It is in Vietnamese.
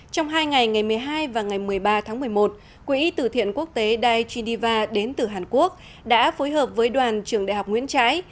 trong hai ngày ngày một mươi hai và ngày một mươi ba tháng một mươi một quỹ tử thiện quốc tế diliva đến từ hàn quốc đã phối hợp với đoàn trường đại học nguyễn trãi